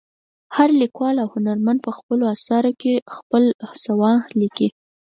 هر لیکوال او هنرمند په خپلو اثرو کې خپله سوانح لیکي.